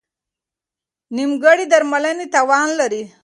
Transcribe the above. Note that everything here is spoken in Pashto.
نیمګړې درملنه تاوان لري.